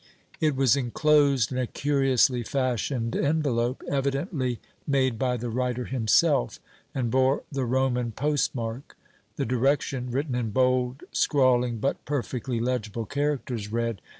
It was enclosed in a curiously fashioned envelope, evidently made by the writer himself, and bore the Roman postmark; the direction, written in bold, scrawling, but perfectly legible characters, read: "M.